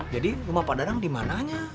jadi rumah pak dadang dimananya